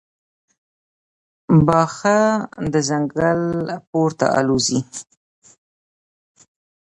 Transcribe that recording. باښه د ځنګل پورته الوزي.